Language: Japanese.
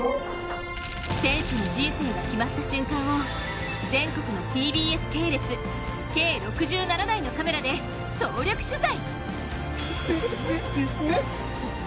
選手の人生が決まった瞬間を全国のＴＢＳ系列計６７台のカメラで総力取材。